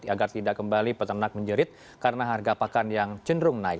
agar tidak kembali peternak menjerit karena harga pakan yang cenderung naik